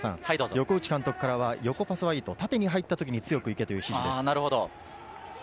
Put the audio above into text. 横内監督からは横パスはいい、縦に入った時に強くいけという指示です。